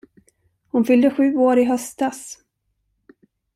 Hon fyllde sju år i höstas.